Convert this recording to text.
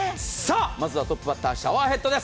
まずはトップバッターシャワーヘッドです。